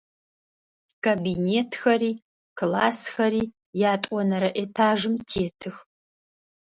Кабинетхэри классхэри ятӏонэрэ этажым тетых.